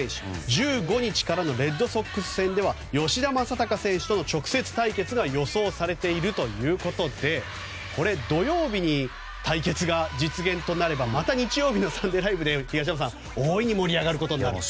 １５日からのレッドソックス戦は吉田正尚選手との直接対決が予想されているということで土曜日に対決が実現となれば東山さん、また日曜日の「サンデーＬＩＶＥ！！」で大いに盛り上がることになります。